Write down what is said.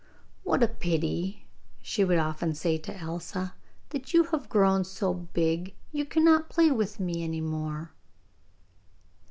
'What a pity,' she would often say to Elsa, 'that you have grown so big, you cannot play with me any more.